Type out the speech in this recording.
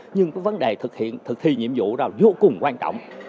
nhưng cái vấn đề thực thi nhiệm vụ đó vô cùng quan trọng